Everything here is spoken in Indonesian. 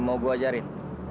mau gue ajarin